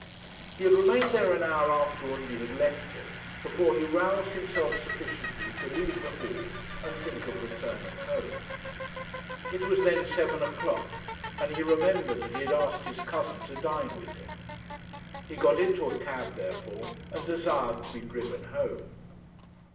He had remained there an hour after Undy had left him, before he roused himself sufficiently to leave the hall and think of returning home. It was then seven o'clock, and he remembered that he had asked his cousin to dine with him. He got into a cab, therefore, and desired to be driven home.